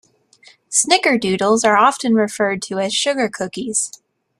Snickerdoodles are often referred to as "sugar cookies".